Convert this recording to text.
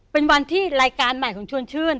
เป็นวันที่รายการใหม่ของชวนชื่น